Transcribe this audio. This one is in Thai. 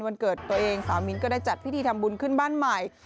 วันเกิดตัวเองสาวมิ้นก็ได้จัดพิธีทำบุญขึ้นบ้านใหม่